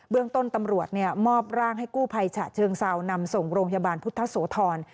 เรื่องต้นตำรวจมอบร่างให้กู้ภัยฉะเชิงเซานำส่งโรงพยาบาลพุทธโสธร